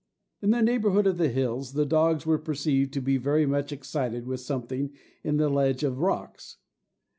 In the neighbourhood of the hills, the dogs were perceived to be very much excited with something in a ledge of rocks.